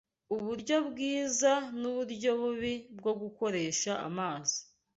Uburyo Bwiza n’Uburyo bubi bwo Gukoresha Amazi